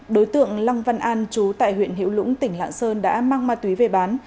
đối tượng lăng văn an trú tại huyện hiễu lũng tỉnh lạng sơn đã mang ma túy về bán